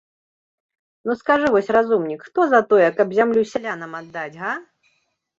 Ну, скажы вось, разумнік, хто за тое, каб зямлю сялянам аддаць, га?